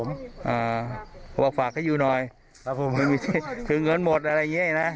เพราะว่าฝากให้อยู่หน่อยถึงเงินหมดอะไรอย่างนี้นะ